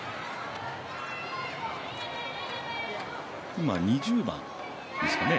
今、２０番ですかね。